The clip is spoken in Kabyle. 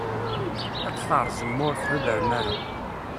Ad t-terẓem ma ur tḥudrem ara.